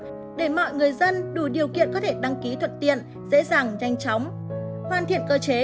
để mọi người dân đủ điều kiện có thể đăng ký thuận tiện dễ dàng nhanh chóng hoàn thiện cơ chế